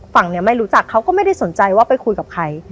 ฝั่งนี้ไม่รู้จักเขาก็ไม่ได้สนใจว่าไปคุยกับใคร